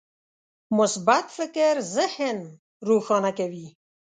مثبت فکر ذهن روښانه کوي.